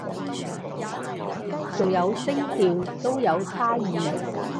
仲有聲調都有差異